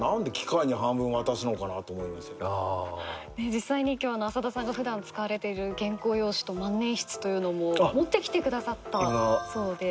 実際に今日浅田さんが普段使われてる原稿用紙と万年筆というのも持ってきてくださったそうで。